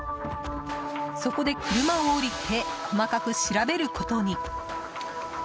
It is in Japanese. そこで、車を降りて細かく調べることに。